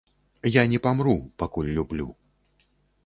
Я не памру, пакуль люблю.